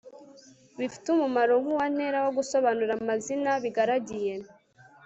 bifite umumaro nk uwa ntera wo gusobanura amazina bigaragiye